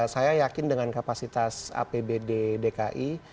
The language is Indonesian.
saya yakin dengan kapasitas apbd dki